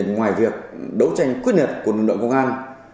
ngoài việc đấu tranh quyết liệt của lực lượng công an